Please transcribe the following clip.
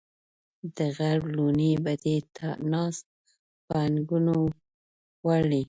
د غرب لوڼې به دې ناز په اننګو وړي